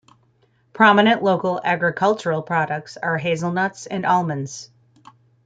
Prominent local agricultural products are hazelnuts and almonds.